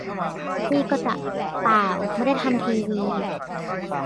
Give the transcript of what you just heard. นี่ก็จะ ป่าว ไม่ได้ทำทีวี